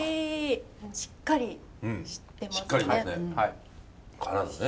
しっかりしてますね。